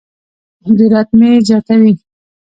جرات مې زیاتوي.